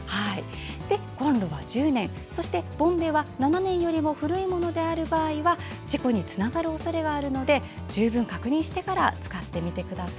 コンロは１０年、そしてボンベは７年より古いものである場合は事故につながるおそれがあるので十分確認してから使ってみてください。